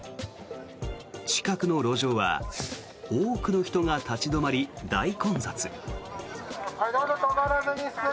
近くの路上は多くの人が立ち止まり、大混雑。